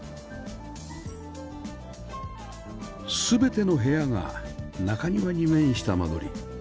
全ての部屋が中庭に面した間取り